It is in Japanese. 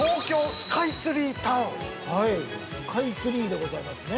◆スカイツリーでございますね。